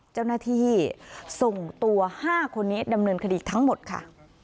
เจ้าหน้าที่ส่งตัว๕คนนี้ดำเนินคดีทั้งหมดค่ะ